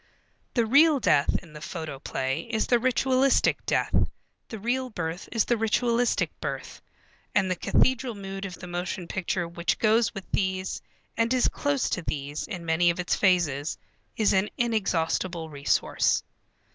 The real death in the photoplay is the ritualistic death, the real birth is the ritualistic birth, and the cathedral mood of the motion picture which goes with these and is close to these in many of its phases, is an inexhaustible resource.